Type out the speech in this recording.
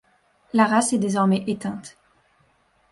La race est désormais éteinte.